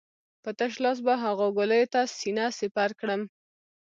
په تش لاس به هغو ګولیو ته سينه سپر کړم.